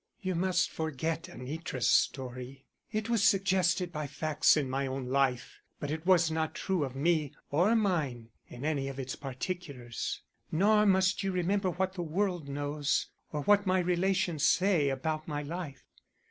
"You must forget Anitra's story. It was suggested by facts in my own life, but it was not true of me or mine in any of its particulars. Nor must you remember what the world knows, or what my relations say about my life.